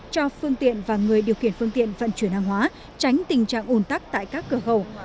cho phương tiện và người điều khiển phương tiện vận chuyển hàng hóa tránh tình trạng ủn tắc tại các cửa khẩu